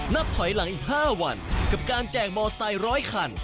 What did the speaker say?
นับถอยหลังอีก๕วันกับการแจกมอไซค์๑๐๐คัน